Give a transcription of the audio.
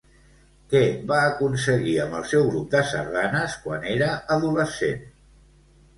Què va aconseguir amb el seu grup de sardanes quan era adolescent?